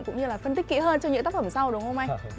cũng như là phân tích kỹ hơn cho những tác phẩm sau